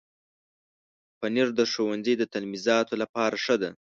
پنېر د ښوونځي د تلمیذانو لپاره ښه ده.